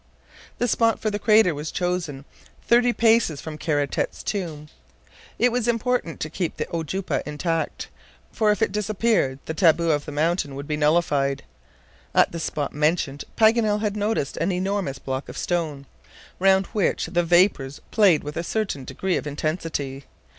The spot for the crater was chosen thirty paces from Kara Tete's tomb. It was important to keep the oudoupa intact, for if it disappeared, the taboo of the mountain would be nullified. At the spot mentioned Paganel had noticed an enormous block of stone, round which the vapors played with a certain degree of intensity.